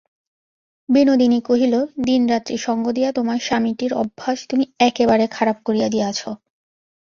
বিনোদিনী কহিল, দিনরাত্রি সঙ্গ দিয়া তোমার স্বামীটির অভ্যাস তুমি একেবারে খারাপ করিয়া দিয়াছ।